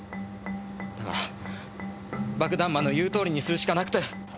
だから爆弾魔の言う通りにするしかなくて。